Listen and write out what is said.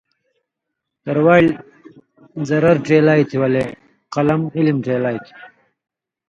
تروالیۡ ضرر ڇیلیائ تھی ولے قلم علم ڇیلیائ تُھو،